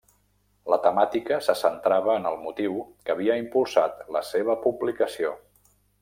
La temàtica se centrava en el motiu que havia impulsat la seva publicació.